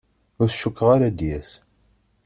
Ur t-cukkeɣ ara ad d-yas.